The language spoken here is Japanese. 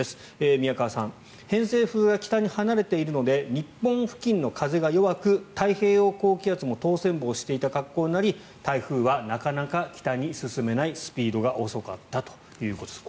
宮川さん、偏西風は北に離れているので日本付近の風が弱く太平洋高気圧も通せんぼをしていた格好になり台風がなかなか北に進めないスピードが遅かったということです。